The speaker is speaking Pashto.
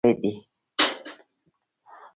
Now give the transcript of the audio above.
زموږ سترګې د ژوند لپاره په نمجنو اوښکو ولاړې دي.